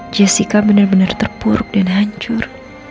jessica bener bener terburuk dan hancur